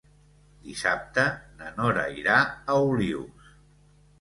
Dissabte na Nora irà a Olius.